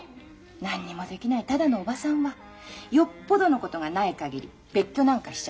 何にもできないただのおばさんはよっぽどのことがない限り別居なんかしちゃ駄目。